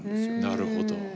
なるほど。